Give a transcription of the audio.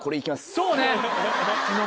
そうね！